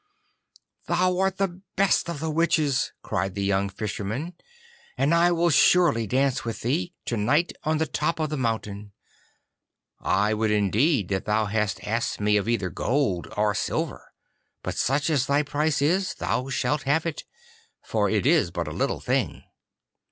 'Thou art the best of the witches,' cried the young Fisherman, 'and I will surely dance with thee to night on the top of the mountain. I would indeed that thou hadst asked of me either gold or silver. But such as thy price is thou shalt have it, for it is but a little thing.